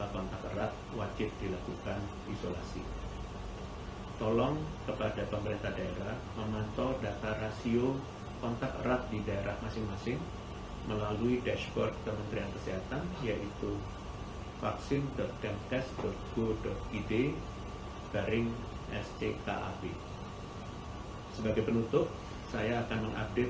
merujuk pada undang undang imigrasi nomor enam tahun dua ribu sebelas asal empat belas ayat satu